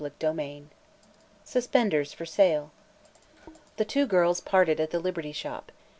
CHAPTER XV SUSPENDERS FOR SALE The two girls parted at the Liberty Shop.